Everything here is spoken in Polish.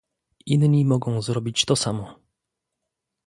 "Inni mogą zrobić to samo."